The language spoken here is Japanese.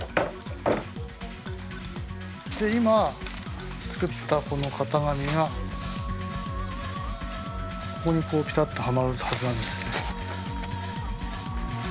で今作ったこの型紙がここにこうぴたっとはまるはずなんですよね。